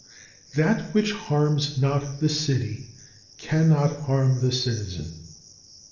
22. That which harms not the city cannot harm the citizen.